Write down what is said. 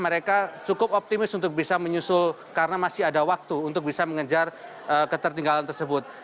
mereka cukup optimis untuk bisa menyusul karena masih ada waktu untuk bisa mengejar ketertinggalan tersebut